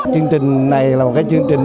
chương trình này là một cái chương trình